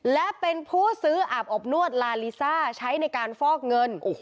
และเป็นผู้ซื้ออาบอบนวดลาลิซ่าใช้ในการฟอกเงิน